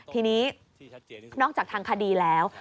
ทีนี้นอกจากทางคดีแล้ว